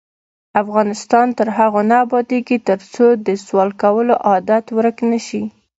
افغانستان تر هغو نه ابادیږي، ترڅو د سوال کولو عادت ورک نشي.